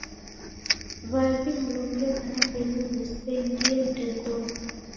W'avi mlombie w'ana w'enyu w'isengie ndengonyi.